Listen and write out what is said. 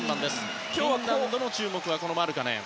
フィンランドの注目はマルカネン。